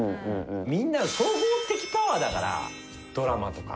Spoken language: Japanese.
みんなの総合的パワーだからドラマとか。